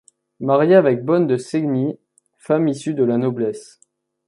Marié avec Bonne de Segni, femme issue de la noblesse.